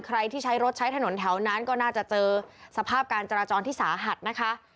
ใครที่ใช้รถใช้ถนนแถวนั้นก็น่าจะเจอสภาพการจราจรที่สาหัสนะคะ